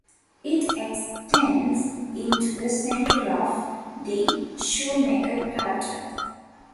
It extends into the centre of the Shoemaker crater.